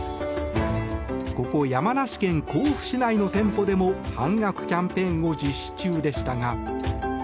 ここ山梨県甲府市内の店舗でも半額キャンペーンを実施中でしたが。